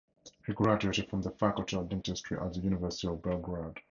He graduated from the Faculty of Dentistry at the University of Belgrade.